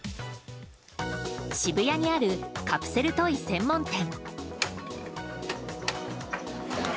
渋谷にあるカプセルトイ専門店。